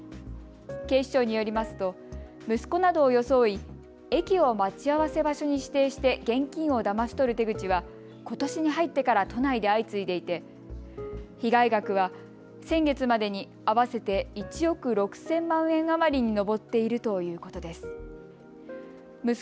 警視庁によりますと息子などを装い駅を待ち合わせ場所に指定して現金をだまし取る手口はことしに入ってから都内で相次いでいて被害額は先月までに合わせて１億６０００万円余りに上っているということです。